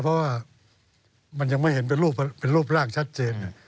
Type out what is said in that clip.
เพราะว่ามันยังไม่เห็นเป็นรูปร่างชัดเจน